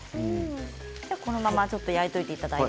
このまま焼いておいてください。